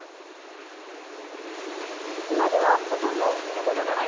今ではほとんど見ることがない